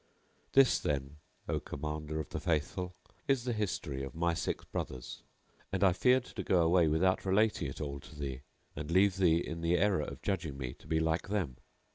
This, then, O Commander of the Faithful, is the history of my six brothers, and I feared to go away without relating it all to thee and leave thee in the error of judging me to be like them.